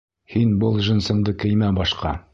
Һин был джинсыңды кеймә башҡа.